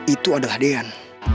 itu adalah deyan